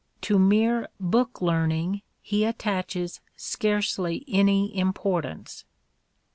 To mere book learning he attaches scarcely any importance.